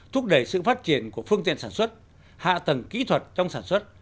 thúc đẩy sự phát triển của phương tiện sản xuất hạ tầng kỹ thuật trong sản xuất